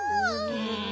うん。